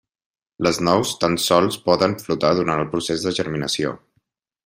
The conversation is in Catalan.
Les nous tan sols poden flotar durant el procés de germinació.